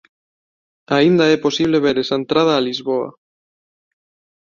Aínda é posible ver esa entrada a Lisboa.